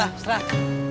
udah lah seterah